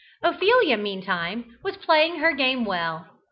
Ophelia meantime was playing her game well.